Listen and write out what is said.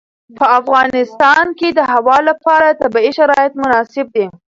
په افغانستان کې د هوا لپاره طبیعي شرایط مناسب دي.